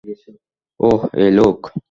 ওহ, এই লোক?